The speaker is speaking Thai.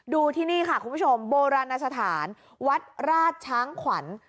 ที่นี่ค่ะคุณผู้ชมโบราณสถานวัดราชช้างขวัญ